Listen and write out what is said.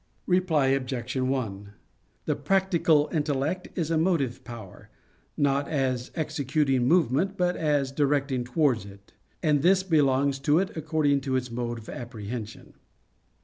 Reply Obj. 1: The practical intellect is a motive power, not as executing movement, but as directing towards it; and this belongs to it according to its mode of apprehension.